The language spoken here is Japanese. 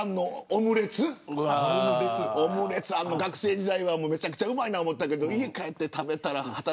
オムレツ、学生時代はめちゃくちゃうまいと思ったけど家に帰って食べたら。